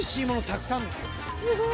すごい！